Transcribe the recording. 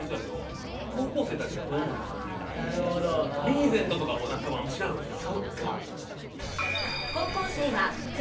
リーゼントとかも多分あんま知らんやろうしな。